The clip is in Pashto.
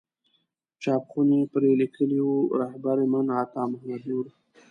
چاپ خونې پرې لیکلي وو رهبر من عطا محمد نور.